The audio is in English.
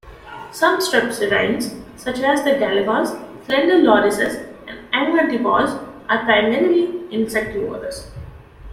Some strepsirrhines, such as the galagos, slender lorises, and angwantibos, are primarily insectivorous.